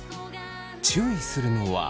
注意するのは。